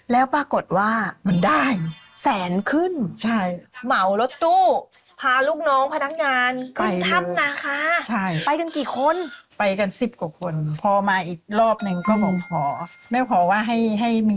แล้วปรากฏว่ามันได้แสนขึ้น